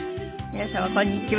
皆様こんにちは。